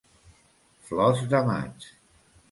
Flors de maig.